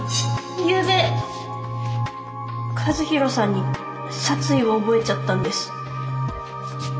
ゆうべ和弘さんに殺意を覚えちゃったんです。